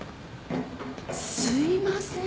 すいません。